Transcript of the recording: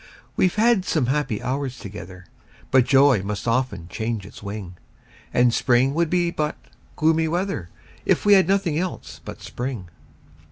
We've had some happy hours together, But joy must often change its wing; And spring would be but gloomy weather, If we had nothing else but spring.